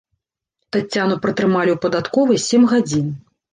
Таццяну пратрымалі ў падатковай сем гадзін.